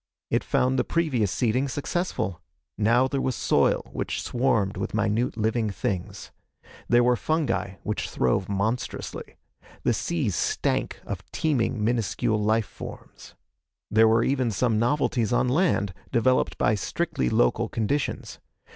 It found the previous seeding successful. Now there was soil which swarmed with minute living things. There were fungi which throve monstrously. The seas stank of teeming minuscule life forms. There were even some novelties on land, developed by strictly local conditions.